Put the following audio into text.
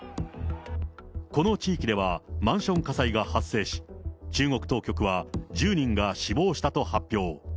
この地域では、マンション火災が発生し、中国当局は１０人が死亡したと発表。